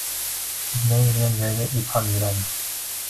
• Igna yurgan joydan ip ham yuradi.